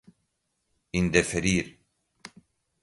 indeferir